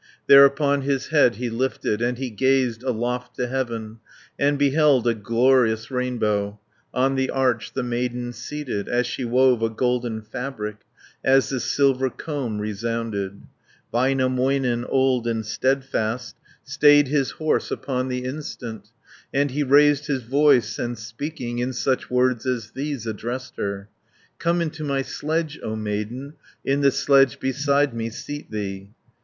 Thereupon his head he lifted, And he gazed aloft to heaven, And beheld a glorious rainbow; On the arch the maiden seated As she wove a golden fabric. As the silver comb resounded. 30 Väinämöinen, old and steadfast, Stayed his horse upon the instant. And he raised his voice, and speaking, In such words as these addressed her: "Come into my sledge, O maiden, In the sledge beside me seat thee."